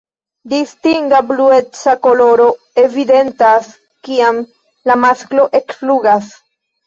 Distinga blueca koloro evidentas kiam la masklo ekflugas.